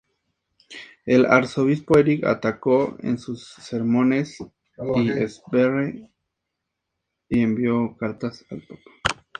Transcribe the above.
El arzobispo Erik atacó en sus sermones a Sverre y envió cartas al papa.